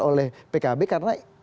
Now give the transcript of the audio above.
oleh pkb karena